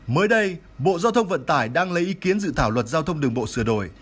mới đây bộ giao thông vận tải đang lấy ý kiến dự thảo luật giao thông đường bộ sửa đổi